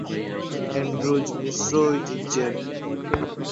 Andrews মিশ্র ঐতিহ্যের।